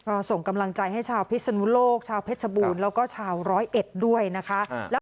ก็ส่งกำลังใจให้ชาวพิศนุโลกชาวเพชรบูรณ์แล้วก็ชาวร้อยเอ็ดด้วยนะคะ